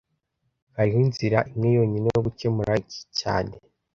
Hariho inzira imwe yonyine yo gukemura iki cyane